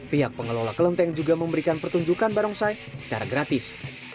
pihak pengelola kelenteng juga memberikan pertunjukan barongsai secara gratis